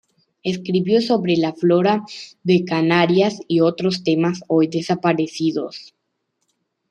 Escribió sobre la flora de Canarias y otros temas hoy desaparecidos.